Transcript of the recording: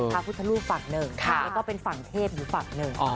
ภาพุทธรูปฝั่งหนึ่งและก็เป็นฝั่งเทพฝั่งหนึ่ง